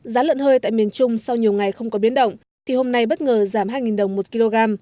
giá lợn hơi tại miền trung sau nhiều ngày không có biến động thì hôm nay bất ngờ giảm hai đồng một kg